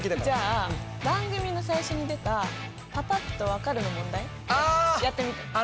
じゃあ番組の最初に出た「パパっと分かる」の問題やってみて。